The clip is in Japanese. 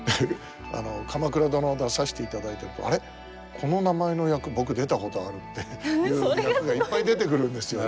「鎌倉殿」出させていただいてると「あれ？この名前の役僕出たことある」っていう役がいっぱい出てくるんですよ。